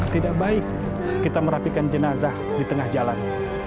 tidak baik kita merapikan jenazah di tengah jalan